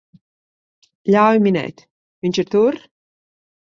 Ļauj minēt, viņš ir tur?